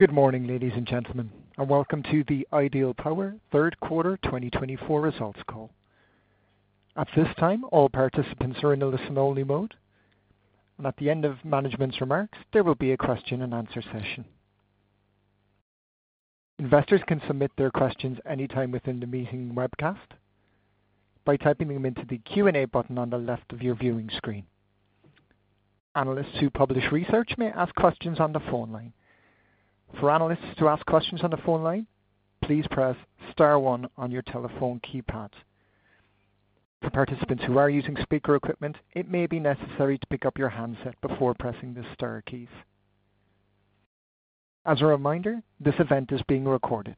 Good morning, ladies and gentlemen, and welcome to the Ideal Power Third Quarter 2024 results call. At this time, all participants are in a listen-only mode, and at the end of management's remarks, there will be a question-and-answer session. Investors can submit their questions anytime within the meeting webcast by typing them into the Q&A button on the left of your viewing screen. Analysts who publish research may ask questions on the phone line. For analysts to ask questions on the phone line, please press star one on your telephone keypad. For participants who are using speaker equipment, it may be necessary to pick up your handset before pressing the star keys. As a reminder, this event is being recorded.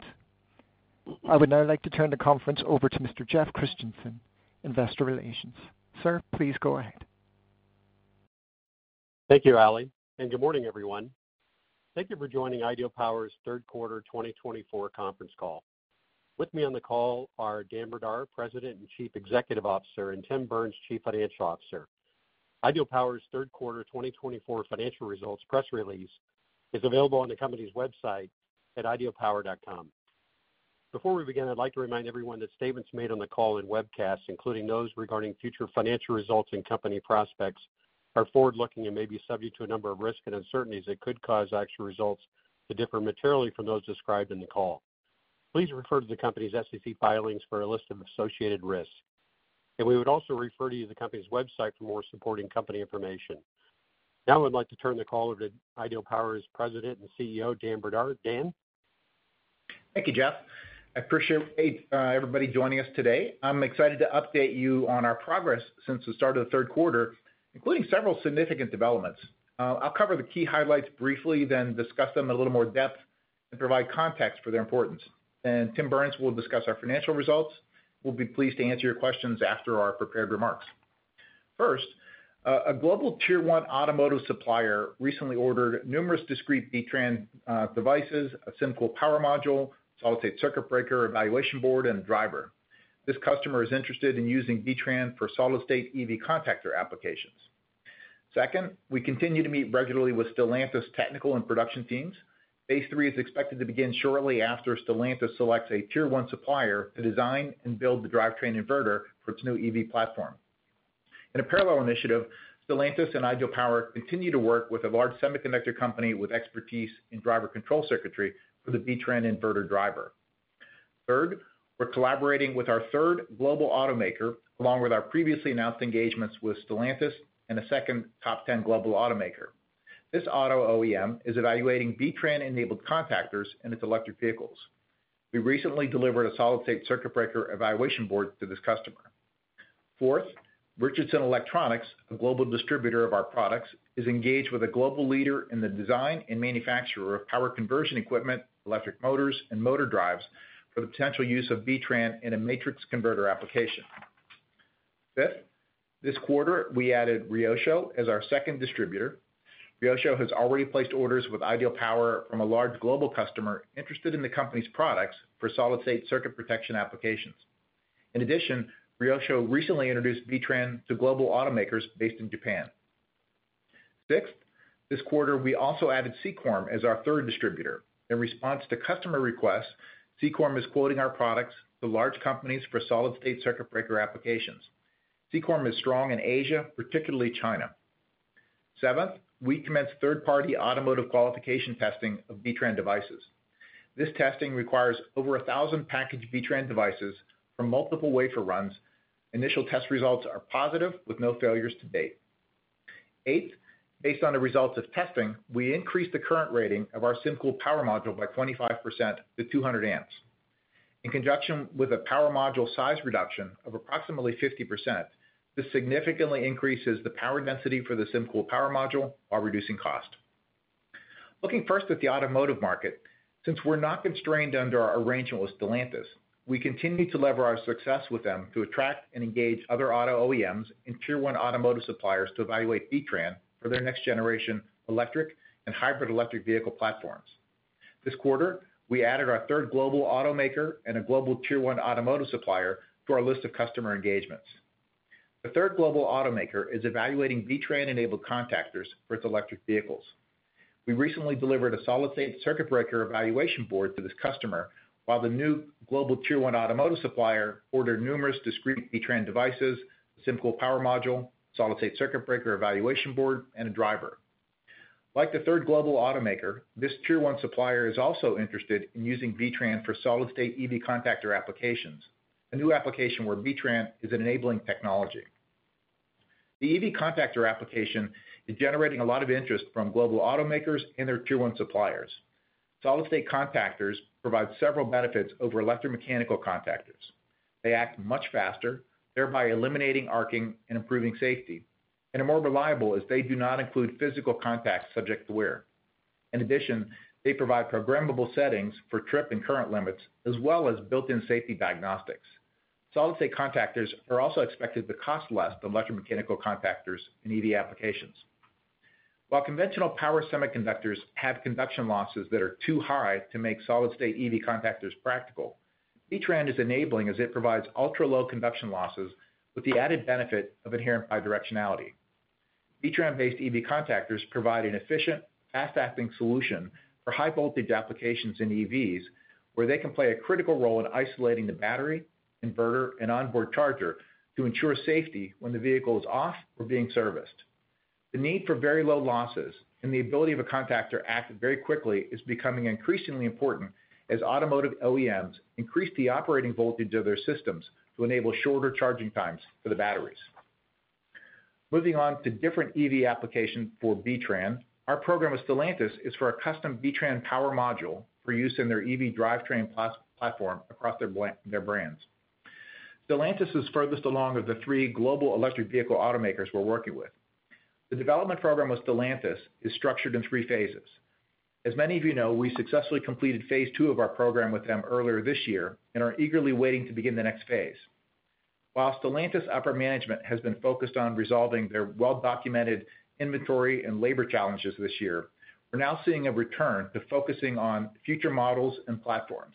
I would now like to turn the conference over to Mr. Jeff Christensen, Investor Relations. Sir, please go ahead. Thank you, Ali, and good morning, everyone. Thank you for joining Ideal Power's Third Quarter 2024 Conference Call. With me on the call are Dan Brdar, President and Chief Executive Officer, and Tim Burns, Chief Financial Officer. Ideal Power's third quarter 2024 financial results press release is available on the company's website at idealpower.com. Before we begin, I'd like to remind everyone that statements made on the call and webcast, including those regarding future financial results and company prospects, are forward-looking and may be subject to a number of risks and uncertainties that could cause actual results to differ materially from those described in the call. Please refer to the company's SEC filings for a list of associated risks, and we would also refer you to the company's website for more supporting company information. Now, I'd like to turn the call over to Ideal Power's President and CEO, Dan Brdar. Dan? Thank you, Jeff. I appreciate everybody joining us today. I'm excited to update you on our progress since the start of the third quarter, including several significant developments. I'll cover the key highlights briefly, then discuss them in a little more depth and provide context for their importance. Tim Burns will discuss our financial results. We'll be pleased to answer your questions after our prepared remarks. First, tier 1 automotive supplier recently ordered numerous discrete B-TRAN devices, a SymCool Power Module, solid-state circuit breaker, evaluation board, and driver. This customer is interested in using B-TRAN for solid-state EV contactor applications. Second, we continue to meet regularly with Stellantis' technical and production teams. Phase III is expected to begin shortly after Stellantis selects a tier 1 supplier to design and build the drivetrain inverter for its new EV platform. In a parallel initiative, Stellantis and Ideal Power continue to work with a large semiconductor company with expertise in driver control circuitry for the B-TRAN inverter driver. Third, we're collaborating with our third global automaker, along with our previously announced engagements with Stellantis and a second top-ten global automaker. This auto OEM is evaluating B-TRAN-enabled contactors in its electric vehicles. We recently delivered a solid-state circuit breaker evaluation board to this customer. Fourth, Richardson Electronics, a global distributor of our products, is engaged with a global leader in the design and manufacture of power conversion equipment, electric motors, and motor drives for the potential use of B-TRAN in a matrix converter application. Fifth, this quarter, we added RYOSHO as our second distributor. RYOSHO has already placed orders with Ideal Power from a large global customer interested in the company's products for solid-state circuit protection applications. In addition, RYOSHO recently introduced B-TRAN to global automakers based in Japan. Sixth, this quarter, we also added Sekorm as our third distributor. In response to customer requests, Sekorm is quoting our products to large companies for solid-state circuit breaker applications. Sekorm is strong in Asia, particularly China. Seventh, we commenced third-party automotive qualification testing of B-TRAN devices. This testing requires over 1,000 packaged B-TRAN devices for multiple wafer runs. Initial test results are positive, with no failures to date. Eighth, based on the results of testing, we increased the current rating of our SymCool Power Module by 25% to 200 amps. In conjunction with a power module size reduction of approximately 50%, this significantly increases the power density for the SymCool Power Module while reducing cost. Looking first at the automotive market, since we're not constrained under our arrangement with Stellantis, we continue to lever our success with them to attract and engage other auto tier 1 automotive suppliers to evaluate B-TRAN for their next-generation electric and hybrid electric vehicle platforms. This quarter, we added our third global automaker and tier 1 automotive supplier to our list of customer engagements. The third global automaker is evaluating B-TRAN-enabled contactors for its electric vehicles. We recently delivered a solid-state circuit breaker evaluation board to this customer, while the tier 1 automotive supplier ordered numerous discrete B-TRAN devices, a SymCool Power Module, solid-state circuit breaker evaluation board, and a driver. Like the third global tier 1 supplier is also interested in using B-TRAN for solid-state EV contactor applications, a new application where B-TRAN is an enabling technology. The EV contactor application is generating a lot of interest from global tier 1 suppliers. Solid-state contactors provide several benefits over electromechanical contactors. They act much faster, thereby eliminating arcing and improving safety, and are more reliable as they do not include physical contacts subject to wear. In addition, they provide programmable settings for trip and current limits, as well as built-in safety diagnostics. Solid-state contactors are also expected to cost less than electromechanical contactors in EV applications. While conventional power semiconductors have conduction losses that are too high to make solid-state EV contactors practical, B-TRAN is enabling as it provides ultra-low conduction losses with the added benefit of inherent bidirectionality. B-TRAN-based EV contactors provide an efficient, fast-acting solution for high-voltage applications in EVs, where they can play a critical role in isolating the battery, inverter, and onboard charger to ensure safety when the vehicle is off or being serviced. The need for very low losses and the ability of a contactor to act very quickly is becoming increasingly important as automotive OEMs increase the operating voltage of their systems to enable shorter charging times for the batteries. Moving on to different EV applications for B-TRAN, our program with Stellantis is for a custom B-TRAN power module for use in their EV drivetrain platform across their brands. Stellantis is furthest along of the three global electric vehicle automakers we're working with. The development program with Stellantis is structured in three phases. As many of you know, we successfully completed phase II of our program with them earlier this year and are eagerly waiting to begin the next phase. While Stellantis' upper management has been focused on resolving their well-documented inventory and labor challenges this year, we're now seeing a return to focusing on future models and platforms.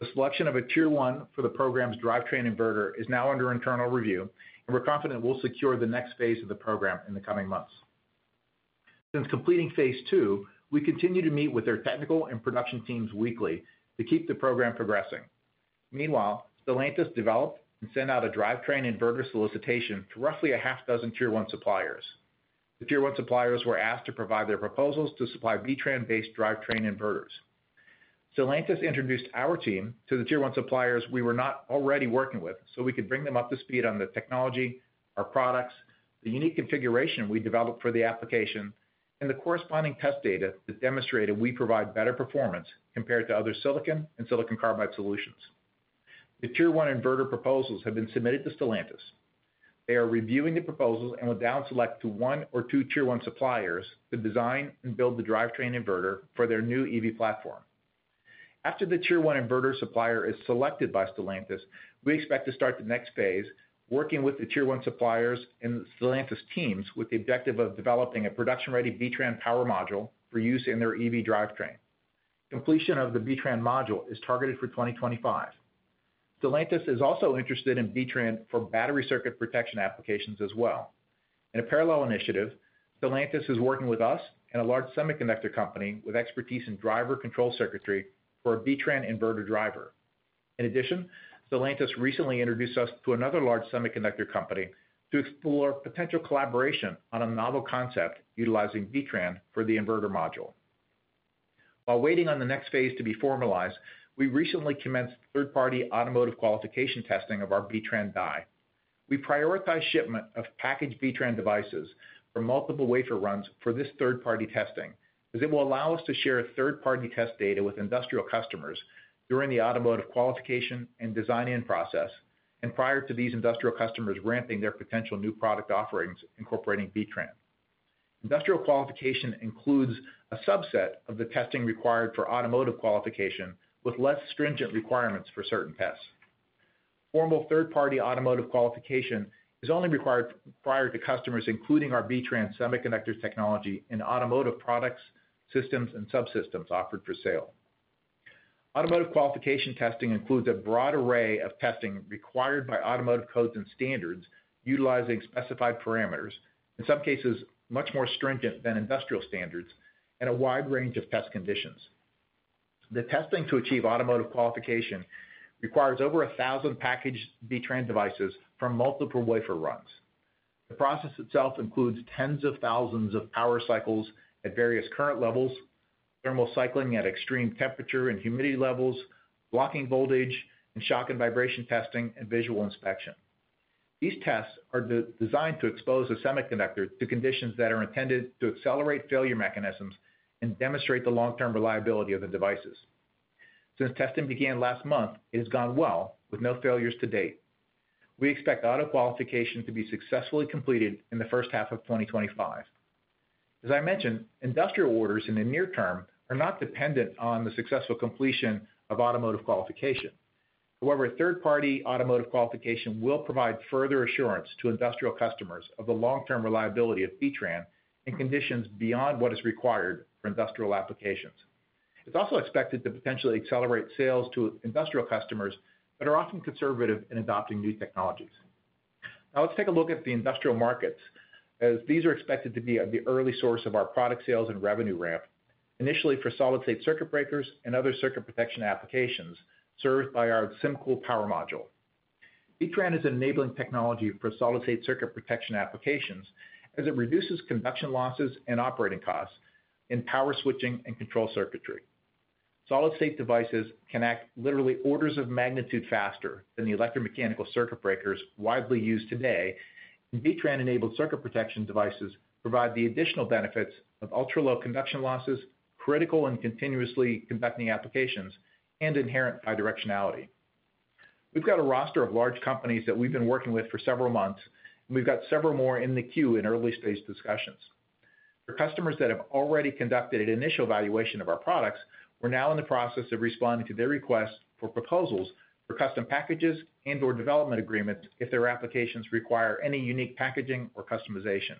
The selection tier 1 for the program's drivetrain inverter is now under internal review, and we're confident we'll secure the next phase of the program in the coming months. Since completing phase II, we continue to meet with their technical and production teams weekly to keep the program progressing. Meanwhile, Stellantis developed and sent out a drivetrain inverter solicitation to roughly a half-dozen tier 1 suppliers were asked to provide their proposals to supply B-TRAN-based drivetrain inverters. Stellantis introduced our team to the tier 1 suppliers we were not already working with so we could bring them up to speed on the technology, our products, the unique configuration we developed for the application, and the corresponding test data that demonstrated we provide better performance compared to other silicon and silicon carbide tier 1 inverter proposals have been submitted to Stellantis. They are reviewing the proposals and will down select to tier 1 suppliers to design and build the drivetrain inverter for their new EV platform. After the tier 1 inverter supplier is selected by Stellantis, we expect to start the next phase working with the tier 1 suppliers and Stellantis teams with the objective of developing a production-ready B-TRAN power module for use in their EV drivetrain. Completion of the B-TRAN module is targeted for 2025. Stellantis is also interested in B-TRAN for battery circuit protection applications as well. In a parallel initiative, Stellantis is working with us and a large semiconductor company with expertise in driver control circuitry for a B-TRAN inverter driver. In addition, Stellantis recently introduced us to another large semiconductor company to explore potential collaboration on a novel concept utilizing B-TRAN for the inverter module. While waiting on the next phase to be formalized, we recently commenced third-party automotive qualification testing of our B-TRAN die. We prioritize shipment of packaged B-TRAN devices for multiple wafer runs for this third-party testing as it will allow us to share third-party test data with industrial customers during the automotive qualification and design-in process and prior to these industrial customers ramping their potential new product offerings incorporating B-TRAN. Industrial qualification includes a subset of the testing required for automotive qualification with less stringent requirements for certain tests. Formal third-party automotive qualification is only required prior to customers including our B-TRAN semiconductor technology in automotive products, systems, and subsystems offered for sale. Automotive qualification testing includes a broad array of testing required by automotive codes and standards utilizing specified parameters, in some cases much more stringent than industrial standards, and a wide range of test conditions. The testing to achieve automotive qualification requires over 1,000 packaged B-TRAN devices from multiple wafer runs. The process itself includes tens of thousands of power cycles at various current levels, thermal cycling at extreme temperature and humidity levels, blocking voltage, and shock and vibration testing and visual inspection. These tests are designed to expose a semiconductor to conditions that are intended to accelerate failure mechanisms and demonstrate the long-term reliability of the devices. Since testing began last month, it has gone well with no failures to date. We expect auto qualification to be successfully completed in the first half of 2025. As I mentioned, industrial orders in the near term are not dependent on the successful completion of automotive qualification. However, third-party automotive qualification will provide further assurance to industrial customers of the long-term reliability of B-TRAN in conditions beyond what is required for industrial applications. It's also expected to potentially accelerate sales to industrial customers that are often conservative in adopting new technologies. Now, let's take a look at the industrial markets as these are expected to be the early source of our product sales and revenue ramp, initially for solid-state circuit breakers and other circuit protection applications served by our SymCool Power Module. B-TRAN is an enabling technology for solid-state circuit protection applications as it reduces conduction losses and operating costs in power switching and control circuitry. Solid-state devices can act literally orders of magnitude faster than the electromechanical circuit breakers widely used today, and B-TRAN-enabled circuit protection devices provide the additional benefits of ultra-low conduction losses, critical and continuously conducting applications, and inherent bidirectionality. We've got a roster of large companies that we've been working with for several months, and we've got several more in the queue in early-stage discussions. For customers that have already conducted an initial evaluation of our products, we're now in the process of responding to their requests for proposals for custom packages and/or development agreements if their applications require any unique packaging or customization.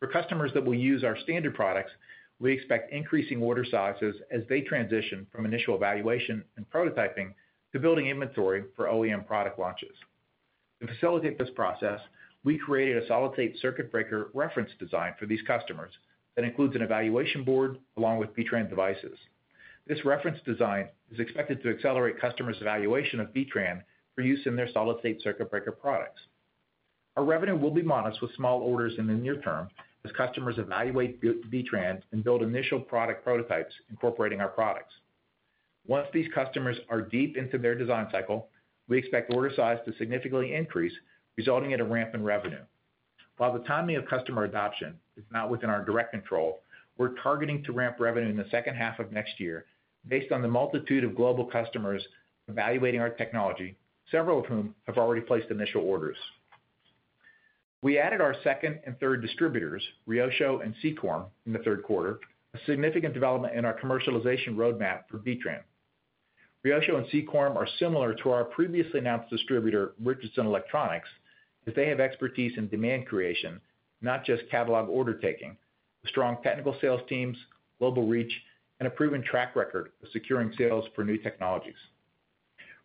For customers that will use our standard products, we expect increasing order sizes as they transition from initial evaluation and prototyping to building inventory for OEM product launches. To facilitate this process, we created a solid-state circuit breaker reference design for these customers that includes an evaluation board along with B-TRAN devices. This reference design is expected to accelerate customers' evaluation of B-TRAN for use in their solid-state circuit breaker products. Our revenue will be modest with small orders in the near term as customers evaluate B-TRAN and build initial product prototypes incorporating our products. Once these customers are deep into their design cycle, we expect order size to significantly increase, resulting in a ramp in revenue. While the timing of customer adoption is not within our direct control, we're targeting to ramp revenue in the second half of next year based on the multitude of global customers evaluating our technology, several of whom have already placed initial orders. We added our second and third distributors, RYOSHO and Sekorm, in the third quarter, a significant development in our commercialization roadmap for B-TRAN. RYOSHO and Sekorm are similar to our previously announced distributor, Richardson Electronics, as they have expertise in demand creation, not just catalog order taking, with strong technical sales teams, global reach, and a proven track record of securing sales for new technologies.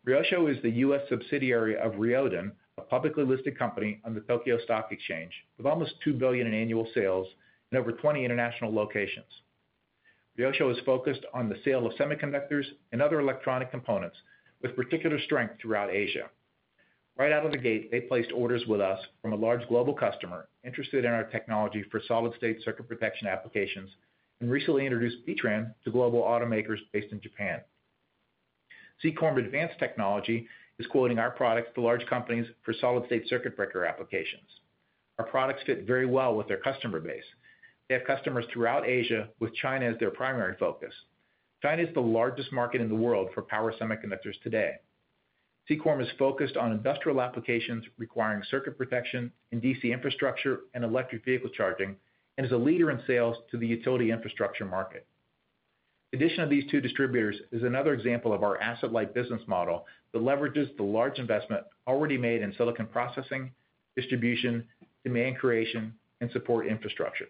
RYOSHO is the U.S. subsidiary of RYODEN, a publicly listed company on the Tokyo Stock Exchange, with almost 2 billion in annual sales and over 20 international locations. RYOSHO is focused on the sale of semiconductors and other electronic components, with particular strength throughout Asia. Right out of the gate, they placed orders with us from a large global customer interested in our technology for solid-state circuit protection applications and recently introduced B-TRAN to global automakers based in Japan. Sekorm Advanced Technology is quoting our products to large companies for solid-state circuit breaker applications. Our products fit very well with their customer base. They have customers throughout Asia with China as their primary focus. China is the largest market in the world for power semiconductors today. Sekorm is focused on industrial applications requiring circuit protection in DC infrastructure and electric vehicle charging and is a leader in sales to the utility infrastructure market. The addition of these two distributors is another example of our asset-light business model that leverages the large investment already made in silicon processing, distribution, demand creation, and support infrastructure.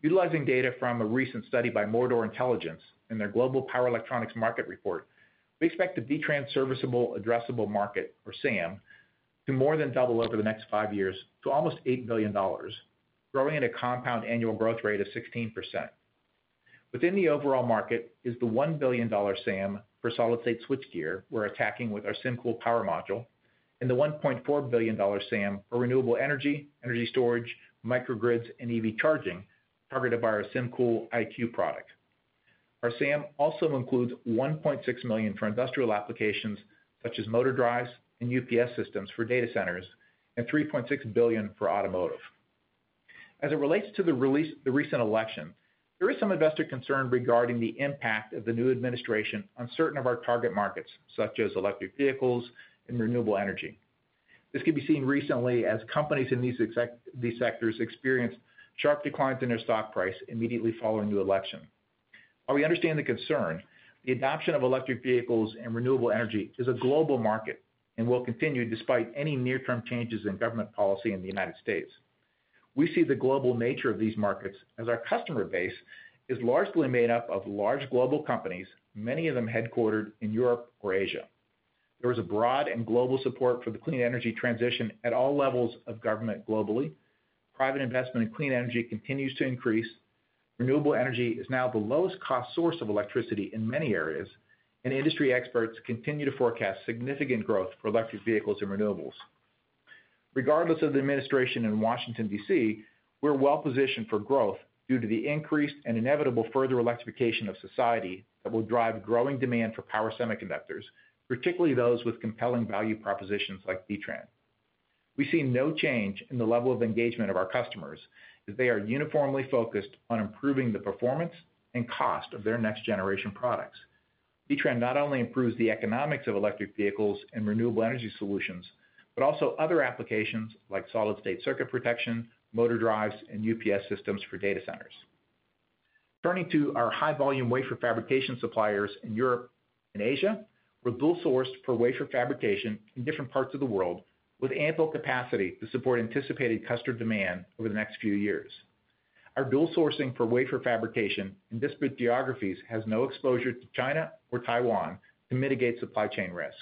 Utilizing data from a recent study by Mordor Intelligence in their Global Power Electronics Market Report, we expect the B-TRAN serviceable addressable market, or SAM, to more than double over the next five years to almost $8 billion, growing at a compound annual growth rate of 16%. Within the overall market is the $1 billion SAM for solid-state switchgear we're attacking with our SymCool Power Module and the $1.4 billion SAM for renewable energy, energy storage, microgrids, and EV charging targeted by our SymCool IQ product. Our SAM also includes $1.6 million for industrial applications such as motor drives and UPS systems for data centers and $3.6 billion for automotive. As it relates to the recent election, there is some investor concern regarding the impact of the new administration on certain of our target markets, such as electric vehicles and renewable energy. This can be seen recently as companies in these sectors experienced sharp declines in their stock price immediately following the election. While we understand the concern, the adoption of electric vehicles and renewable energy is a global market and will continue despite any near-term changes in government policy in the United States. We see the global nature of these markets as our customer base is largely made up of large global companies, many of them headquartered in Europe or Asia. There is a broad and global support for the clean energy transition at all levels of government globally. Private investment in clean energy continues to increase. Renewable energy is now the lowest-cost source of electricity in many areas, and industry experts continue to forecast significant growth for electric vehicles and renewables. Regardless of the administration in Washington, D.C., we're well-positioned for growth due to the increased and inevitable further electrification of society that will drive growing demand for power semiconductors, particularly those with compelling value propositions like B-TRAN. We see no change in the level of engagement of our customers as they are uniformly focused on improving the performance and cost of their next-generation products. B-TRAN not only improves the economics of electric vehicles and renewable energy solutions but also other applications like solid-state circuit protection, motor drives, and UPS systems for data centers. Turning to our high-volume wafer fabrication suppliers in Europe and Asia, we're dual-sourced for wafer fabrication in different parts of the world with ample capacity to support anticipated customer demand over the next few years. Our dual-sourcing for wafer fabrication in disparate geographies has no exposure to China or Taiwan to mitigate supply chain risk.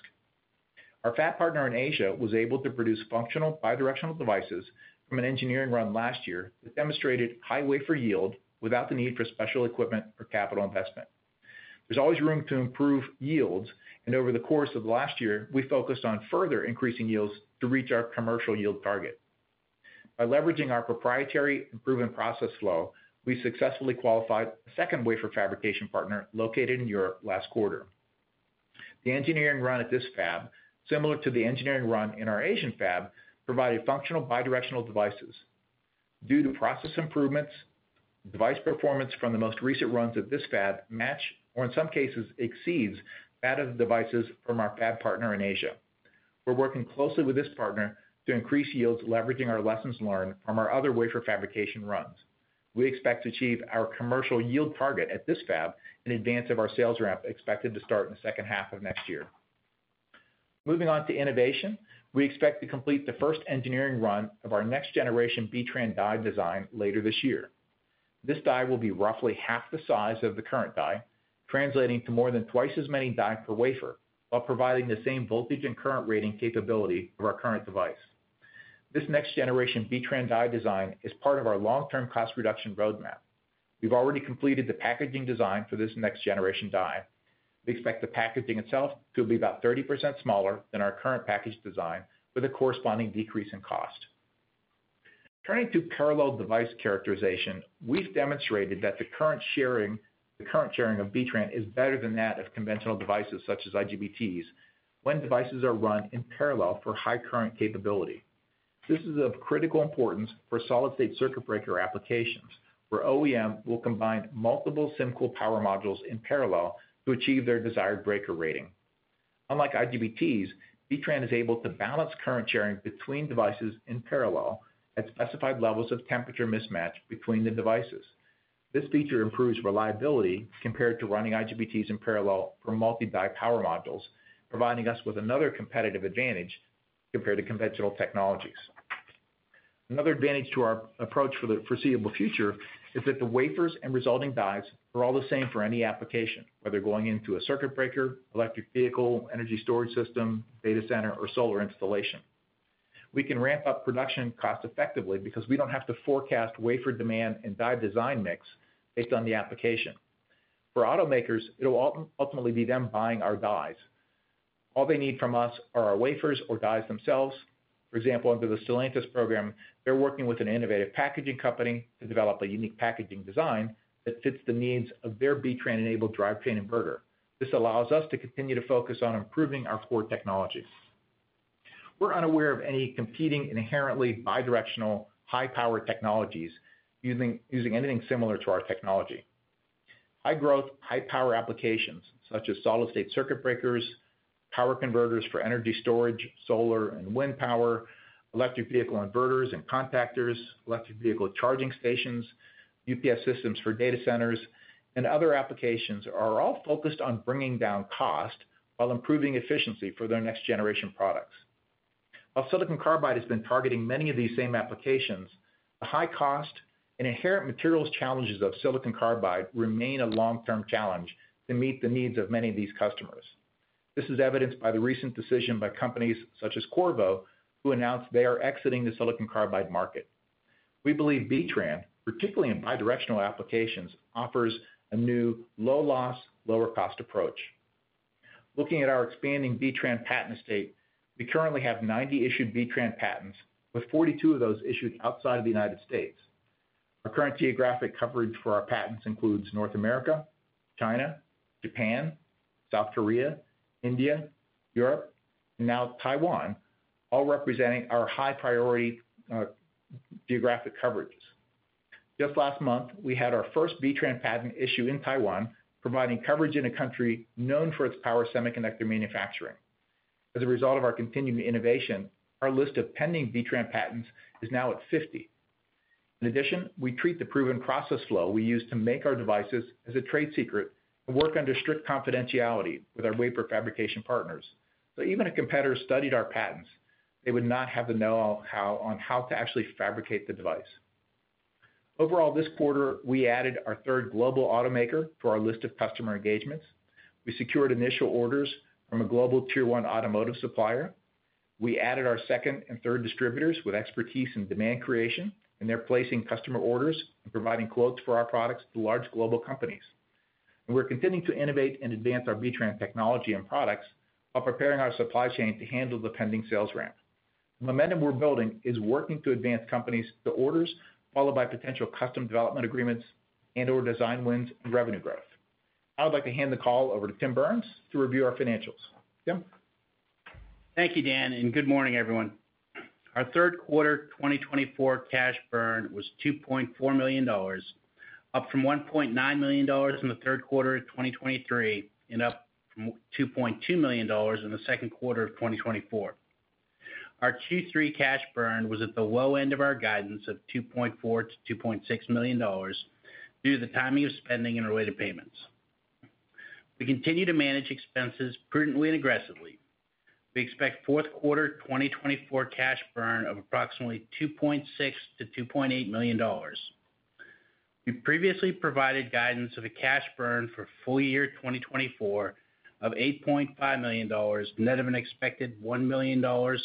Our fab partner in Asia was able to produce functional bidirectional devices from an engineering run last year that demonstrated high wafer yield without the need for special equipment or capital investment. There's always room to improve yields, and over the course of the last year, we focused on further increasing yields to reach our commercial yield target. By leveraging our proprietary improvement process flow, we successfully qualified a second wafer fabrication partner located in Europe last quarter. The engineering run at this fab, similar to the engineering run in our Asian fab, provided functional bidirectional devices. Due to process improvements, device performance from the most recent runs at this fab match or, in some cases, exceeds that of the devices from our fab partner in Asia. We're working closely with this partner to increase yields, leveraging our lessons learned from our other wafer fabrication runs. We expect to achieve our commercial yield target at this fab in advance of our sales ramp expected to start in the second half of next year. Moving on to innovation, we expect to complete the first engineering run of our next-generation B-TRAN die design later this year. This die will be roughly half the size of the current die, translating to more than twice as many die per wafer while providing the same voltage and current rating capability of our current device. This next-generation B-TRAN die design is part of our long-term cost reduction roadmap. We've already completed the packaging design for this next-generation die. We expect the packaging itself to be about 30% smaller than our current package design with a corresponding decrease in cost. Turning to parallel device characterization, we've demonstrated that the current sharing of B-TRAN is better than that of conventional devices such as IGBTs when devices are run in parallel for high current capability. This is of critical importance for solid-state circuit breaker applications where OEM will combine multiple SymCool Power Modules in parallel to achieve their desired breaker rating. Unlike IGBTs, B-TRAN is able to balance current sharing between devices in parallel at specified levels of temperature mismatch between the devices. This feature improves reliability compared to running IGBTs in parallel for multi-die power modules, providing us with another competitive advantage compared to conventional technologies. Another advantage to our approach for the foreseeable future is that the wafers and resulting dies are all the same for any application, whether going into a circuit breaker, electric vehicle, energy storage system, data center, or solar installation. We can ramp up production cost-effectively because we don't have to forecast wafer demand and die design mix based on the application. For automakers, it'll ultimately be them buying our dies. All they need from us are our wafers or dies themselves. For example, under the Stellantis program, they're working with an innovative packaging company to develop a unique packaging design that fits the needs of their B-TRAN-enabled drivetrain inverter. This allows us to continue to focus on improving our core technologies. We're unaware of any competing inherently bidirectional high-power technologies using anything similar to our technology. High-growth, high-power applications such as solid-state circuit breakers, power converters for energy storage, solar and wind power, electric vehicle inverters and contactors, electric vehicle charging stations, UPS systems for data centers, and other applications are all focused on bringing down cost while improving efficiency for their next-generation products. While silicon carbide has been targeting many of these same applications, the high cost and inherent materials challenges of silicon carbide remain a long-term challenge to meet the needs of many of these customers. This is evidenced by the recent decision by companies such as Qorvo, who announced they are exiting the silicon carbide market. We believe B-TRAN, particularly in bidirectional applications, offers a new low-loss/lower-cost approach. Looking at our expanding B-TRAN patent estate, we currently have 90 issued B-TRAN patents, with 42 of those issued outside of the United States. Our current geographic coverage for our patents includes North America, China, Japan, South Korea, India, Europe, and now Taiwan, all representing our high-priority geographic coverages. Just last month, we had our first B-TRAN patent issued in Taiwan, providing coverage in a country known for its power semiconductor manufacturing. As a result of our continued innovation, our list of pending B-TRAN patents is now at 50. In addition, we treat the proven process flow we use to make our devices as a trade secret and work under strict confidentiality with our wafer fabrication partners. So even if competitors studied our patents, they would not have the know-how on how to actually fabricate the device. Overall, this quarter, we added our third global automaker to our list of customer engagements. We secured initial orders from a global tier 1 automotive supplier. We added our second and third distributors with expertise in demand creation and their placing customer orders and providing quotes for our products to large global companies. And we're continuing to innovate and advance our B-TRAN technology and products while preparing our supply chain to handle the pending sales ramp. The momentum we're building is working to advance companies to orders, followed by potential custom development agreements and/or design wins and revenue growth. I would like to hand the call over to Tim Burns to review our financials. Tim? Thank you, Dan, and good morning, everyone. Our third quarter 2024 cash burn was $2.4 million, up from $1.9 million in the third quarter of 2023 and up from $2.2 million in the second quarter of 2024. Our Q3 cash burn was at the low end of our guidance of $2.4 million-$2.6 million due to the timing of spending and related payments. We continue to manage expenses prudently and aggressively. We expect fourth quarter 2024 cash burn of approximately $2.6 million-$2.8 million. We previously provided guidance of a cash burn for full year 2024 of $8.5 million, net of an expected $1 million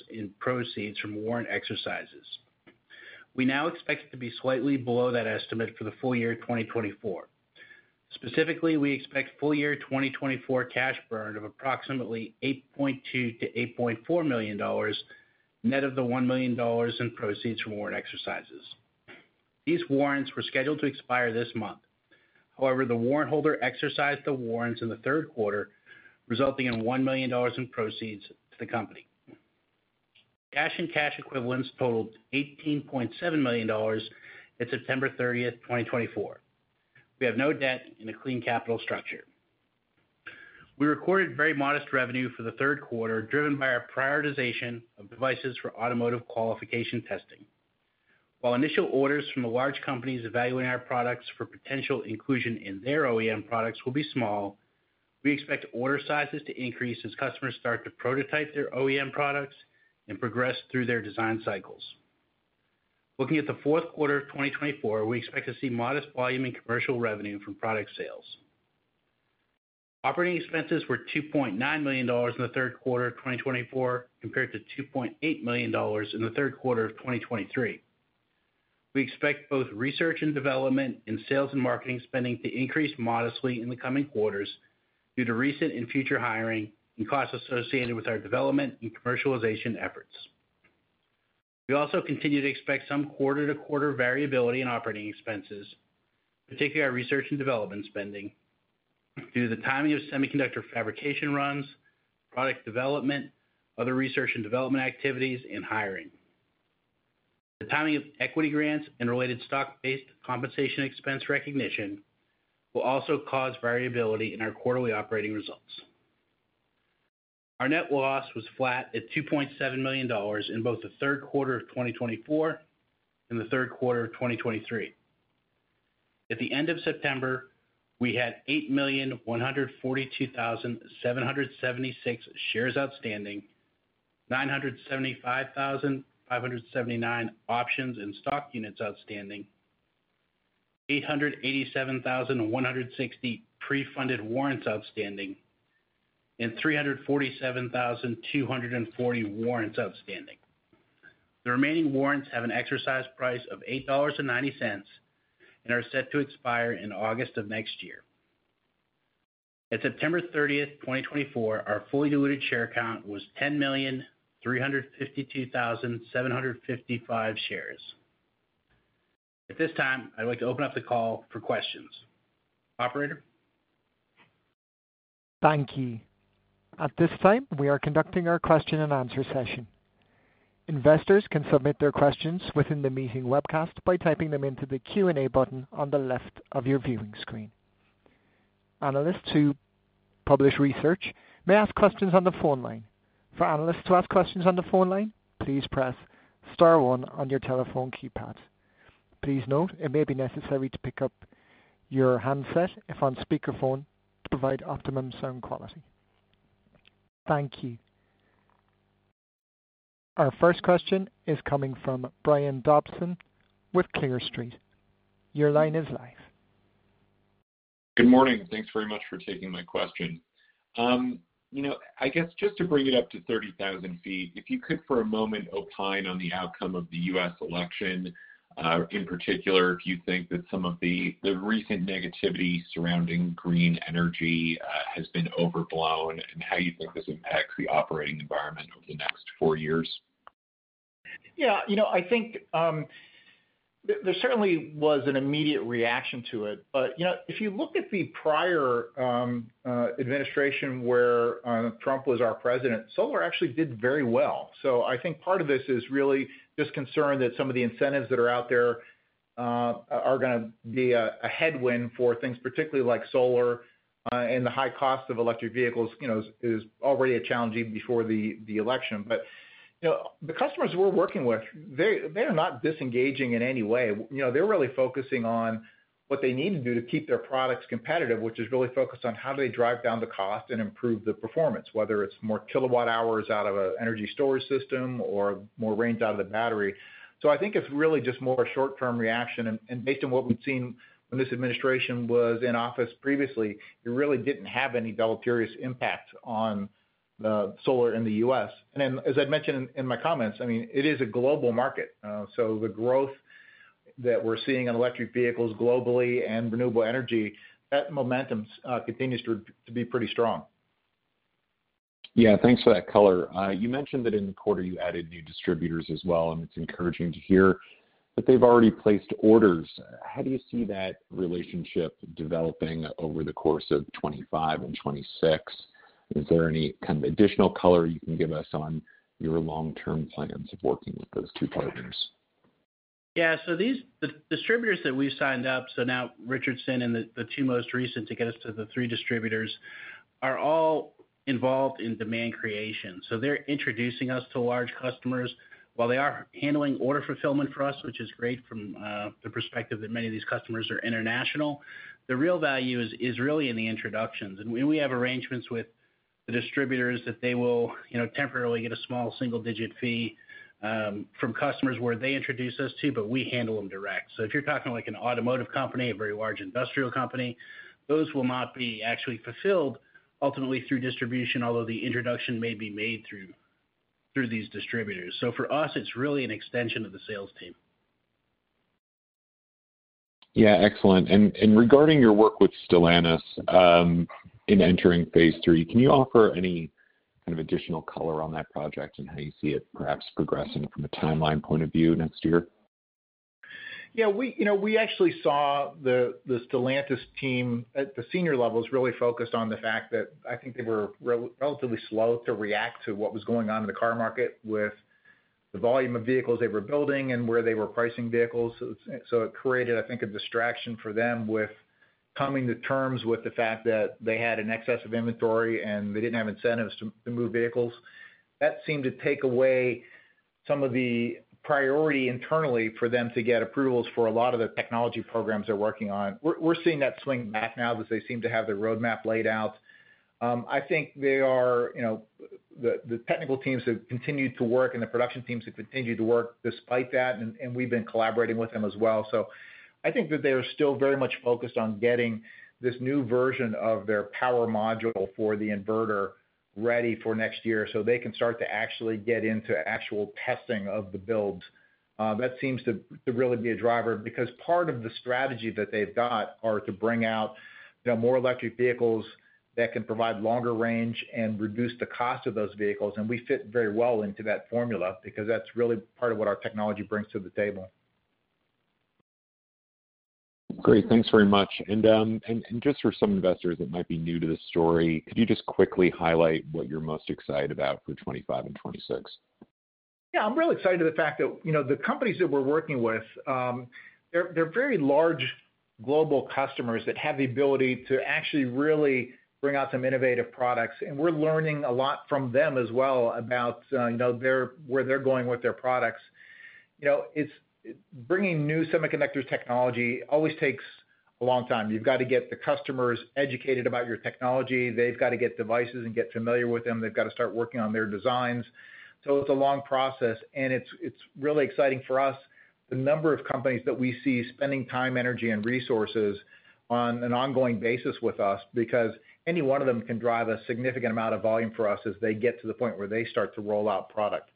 in proceeds from warrant exercises. We now expect it to be slightly below that estimate for the full year 2024. Specifically, we expect full year 2024 cash burn of approximately $8.2 million-$8.4 million, net of the $1 million in proceeds from warrant exercises. These warrants were scheduled to expire this month. However, the warrant holder exercised the warrants in the third quarter, resulting in $1 million in proceeds to the company. Cash and cash equivalents totaled $18.7 million at September 30th, 2024. We have no debt in a clean capital structure. We recorded very modest revenue for the third quarter, driven by our prioritization of devices for automotive qualification testing. While initial orders from the large companies evaluating our products for potential inclusion in their OEM products will be small, we expect order sizes to increase as customers start to prototype their OEM products and progress through their design cycles. Looking at the fourth quarter of 2024, we expect to see modest volume and commercial revenue from product sales. Operating expenses were $2.9 million in the third quarter of 2024 compared to $2.8 million in the third quarter of 2023. We expect both research and development and sales and marketing spending to increase modestly in the coming quarters due to recent and future hiring and costs associated with our development and commercialization efforts. We also continue to expect some quarter-to-quarter variability in operating expenses, particularly our research and development spending, due to the timing of semiconductor fabrication runs, product development, other research and development activities, and hiring. The timing of equity grants and related stock-based compensation expense recognition will also cause variability in our quarterly operating results. Our net loss was flat at $2.7 million in both the third quarter of 2024 and the third quarter of 2023. At the end of September, we had 8,142,776 shares outstanding, 975,579 options and stock units outstanding, 887,160 pre-funded warrants outstanding, and 347,240 warrants outstanding. The remaining warrants have an exercise price of $8.90 and are set to expire in August of next year. At September 30, 2024, our fully diluted share count was 10,352,755 shares. At this time, I'd like to open up the call for questions. Operator? Thank you. At this time, we are conducting our question-and-answer session. Investors can submit their questions within the meeting webcast by typing them into the Q&A button on the left of your viewing screen. Analysts who publish research may ask questions on the phone line. For analysts to ask questions on the phone line, please press star one on your telephone keypad. Please note it may be necessary to pick up your handset if on speakerphone to provide optimum sound quality. Thank you. Our first question is coming from Brian Dobson with Clear Street. Your line is live. Good morning. Thanks very much for taking my question. I guess just to bring it up to 30,000 ft, if you could, for a moment, opine on the outcome of the U.S. election, in particular, if you think that some of the recent negativity surrounding green energy has been overblown and how you think this impacts the operating environment over the next four years? Yeah. I think there certainly was an immediate reaction to it. But if you look at the prior administration where Trump was our president, solar actually did very well. So I think part of this is really just concerned that some of the incentives that are out there are going to be a headwind for things, particularly like solar and the high cost of electric vehicles is already a challenge even before the election. But the customers we're working with, they are not disengaging in any way. They're really focusing on what they need to do to keep their products competitive, which is really focused on how do they drive down the cost and improve the performance, whether it's more Kilowatt-hours out of an energy storage system or more range out of the battery. So I think it's really just more a short-term reaction, and based on what we've seen when this administration was in office previously, it really didn't have any deleterious impact on solar in the U.S., and as I'd mentioned in my comments, I mean, it is a global market. So the growth that we're seeing on electric vehicles globally and renewable energy, that momentum continues to be pretty strong. Yeah. Thanks for that color. You mentioned that in the quarter you added new distributors as well, and it's encouraging to hear that they've already placed orders. How do you see that relationship developing over the course of 2025 and 2026? Is there any kind of additional color you can give us on your long-term plans of working with those two partners? Yeah. So the distributors that we've signed up, so now Richardson and the two most recent to get us to the three distributors are all involved in demand creation. So they're introducing us to large customers. While they are handling order fulfillment for us, which is great from the perspective that many of these customers are international, the real value is really in the introductions. And we have arrangements with the distributors that they will temporarily get a small single-digit fee from customers where they introduce us to, but we handle them direct. So if you're talking like an automotive company, a very large industrial company, those will not be actually fulfilled ultimately through distribution, although the introduction may be made through these distributors. So for us, it's really an extension of the sales team. Yeah. Excellent. And regarding your work with Stellantis in entering phase III, can you offer any kind of additional color on that project and how you see it perhaps progressing from a timeline point of view next year? Yeah. We actually saw the Stellantis team at the senior levels really focused on the fact that I think they were relatively slow to react to what was going on in the car market with the volume of vehicles they were building and where they were pricing vehicles. So it created, I think, a distraction for them with coming to terms with the fact that they had an excess of inventory and they didn't have incentives to move vehicles. That seemed to take away some of the priority internally for them to get approvals for a lot of the technology programs they're working on. We're seeing that swing back now because they seem to have their roadmap laid out. I think the technical teams have continued to work and the production teams have continued to work despite that, and we've been collaborating with them as well. So I think that they are still very much focused on getting this new version of their power module for the inverter ready for next year so they can start to actually get into actual testing of the builds. That seems to really be a driver because part of the strategy that they've got is to bring out more electric vehicles that can provide longer range and reduce the cost of those vehicles. And we fit very well into that formula because that's really part of what our technology brings to the table. Great. Thanks very much. And just for some investors that might be new to the story, could you just quickly highlight what you're most excited about for 2025 and 2026? Yeah. I'm really excited by the fact that the companies that we're working with, they're very large global customers that have the ability to actually really bring out some innovative products. And we're learning a lot from them as well about where they're going with their products. Bringing new semiconductor technology always takes a long time. You've got to get the customers educated about your technology. They've got to get devices and get familiar with them. They've got to start working on their designs. So it's a long process, and it's really exciting for us, the number of companies that we see spending time, energy, and resources on an ongoing basis with us because any one of them can drive a significant amount of volume for us as they get to the point where they start to roll out product.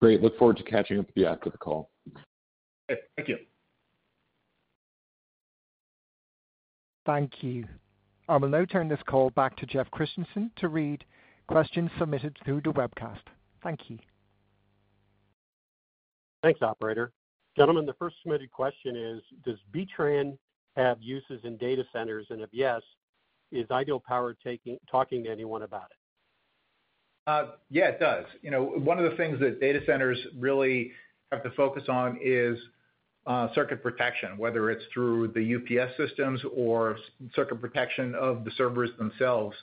Great. Look forward to catching up with you after the call. Okay. Thank you. Thank you. I will now turn this call back to Jeff Christensen to read questions submitted through the webcast. Thank you. Thanks, Operator. Gentlemen, the first submitted question is, does B-TRAN have uses in data centers? And if yes, is Ideal Power talking to anyone about it? Yeah, it does. One of the things that data centers really have to focus on is circuit protection, whether it's through the UPS systems or circuit protection of the servers themselves,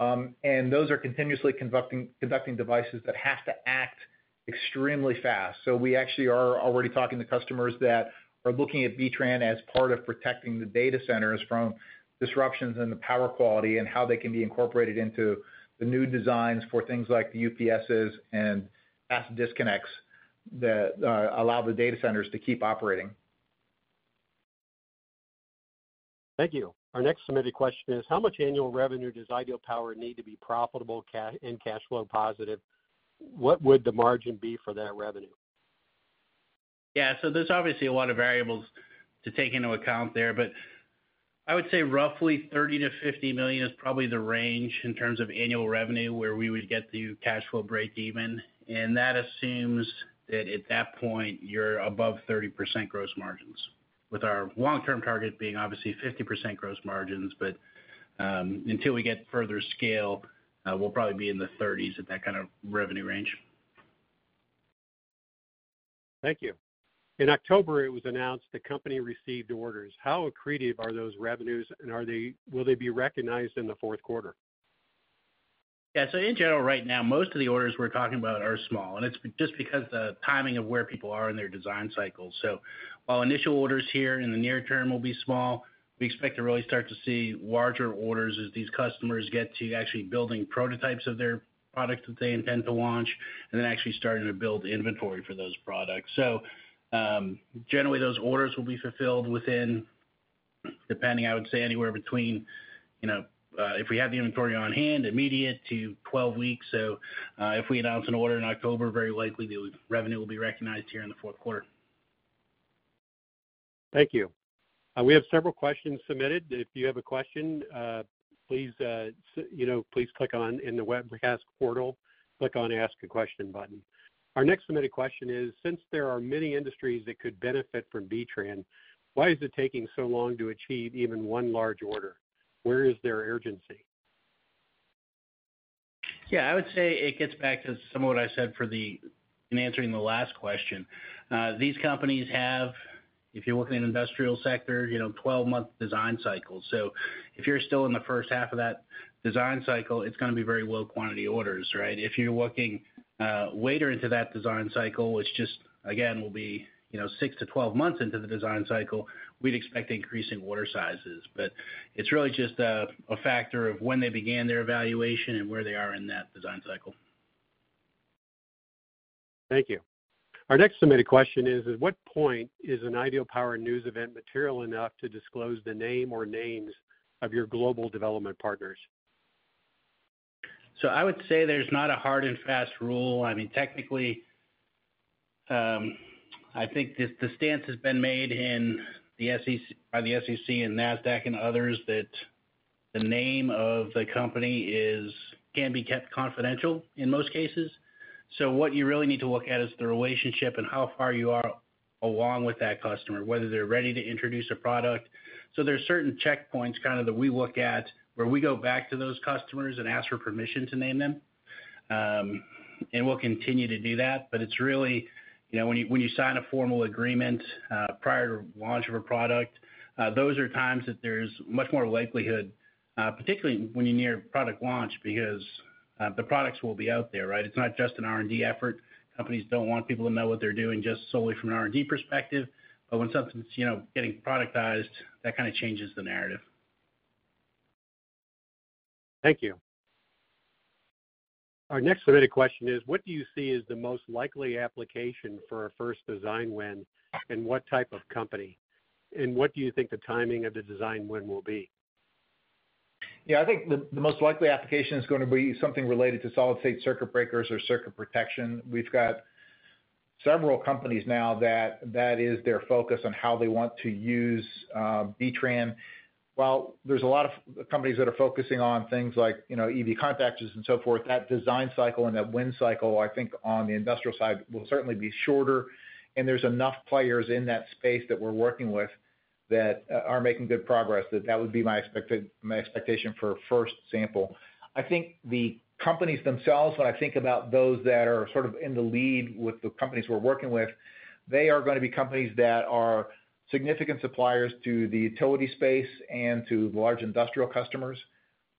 and those are continuously conducting devices that have to act extremely fast, so we actually are already talking to customers that are looking at B-TRAN as part of protecting the data centers from disruptions in the power quality and how they can be incorporated into the new designs for things like the UPSs and fast disconnects that allow the data centers to keep operating. Thank you. Our next submitted question is, how much annual revenue does Ideal Power need to be profitable and cash flow positive? What would the margin be for that revenue? Yeah, so there's obviously a lot of variables to take into account there. But I would say roughly $30 million-$50 million is probably the range in terms of annual revenue where we would get the cash flow breakeven. And that assumes that at that point, you're above 30% gross margins, with our long-term target being obviously 50% gross margins. But until we get further scale, we'll probably be in the 30%s at that kind of revenue range. Thank you. In October, it was announced the company received orders. How accretive are those revenues, and will they be recognized in the fourth quarter? Yeah. So in general, right now, most of the orders we're talking about are small. And it's just because of the timing of where people are in their design cycles. So while initial orders here in the near term will be small, we expect to really start to see larger orders as these customers get to actually building prototypes of their products that they intend to launch and then actually starting to build inventory for those products. So generally, those orders will be fulfilled within, depending, I would say, anywhere between if we have the inventory on hand, immediate to 12 weeks. So if we announce an order in October, very likely the revenue will be recognized here in the fourth quarter. Thank you. We have several questions submitted. If you have a question, please click on in the webcast portal, click on the Ask a Question button. Our next submitted question is, since there are many industries that could benefit from B-TRAN, why is it taking so long to achieve even one large order? Where is their urgency? Yeah. I would say it gets back to some of what I said in answering the last question. These companies have, if you're working in the industrial sector, 12-month design cycles. So if you're still in the first half of that design cycle, it's going to be very low-quantity orders, right? If you're working later into that design cycle, which just, again, will be 6 months-12 months into the design cycle, we'd expect increasing order sizes. But it's really just a factor of when they began their evaluation and where they are in that design cycle. Thank you. Our next submitted question is, at what point is an Ideal Power news event material enough to disclose the name or names of your global development partners? So I would say there's not a hard and fast rule. I mean, technically, I think the stance has been made by the SEC and Nasdaq and others that the name of the company can be kept confidential in most cases. So what you really need to look at is the relationship and how far you are along with that customer, whether they're ready to introduce a product. So there are certain checkpoints kind of that we look at where we go back to those customers and ask for permission to name them. And we'll continue to do that. But it's really when you sign a formal agreement prior to launch of a product, those are times that there's much more likelihood, particularly when you're near product launch because the products will be out there, right? It's not just an R&D effort. Companies don't want people to know what they're doing just solely from an R&D perspective. But when something's getting productized, that kind of changes the narrative. Thank you. Our next submitted question is, what do you see as the most likely application for a first design win and what type of company? And what do you think the timing of the design win will be? Yeah. I think the most likely application is going to be something related to solid-state circuit breakers or circuit protection. We've got several companies now that that is their focus on how they want to use B-TRAN. While there's a lot of companies that are focusing on things like EV contactors and so forth, that design cycle and that win cycle, I think, on the industrial side will certainly be shorter. And there's enough players in that space that we're working with that are making good progress. That would be my expectation for a first sample. I think the companies themselves, when I think about those that are sort of in the lead with the companies we're working with, they are going to be companies that are significant suppliers to the utility space and to large industrial customers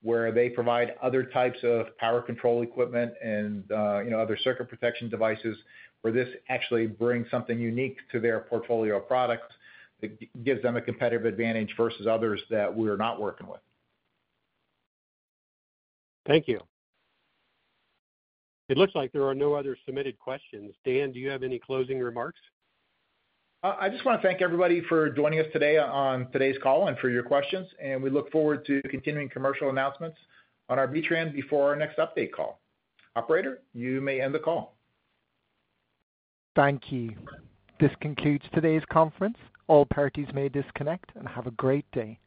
where they provide other types of power control equipment and other circuit protection devices where this actually brings something unique to their portfolio of products that gives them a competitive advantage versus others that we're not working with. Thank you. It looks like there are no other submitted questions. Dan, do you have any closing remarks? I just want to thank everybody for joining us today on today's call and for your questions. And we look forward to continuing commercial announcements on our B-TRAN before our next update call. Operator, you may end the call. Thank you. This concludes today's conference. All parties may disconnect and have a great day.